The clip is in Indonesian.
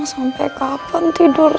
sampai kapan tidur